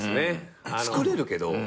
作れるけど。